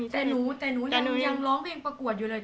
แต่หนูแต่หนูยังร้องเพลงประกวดอยู่เลย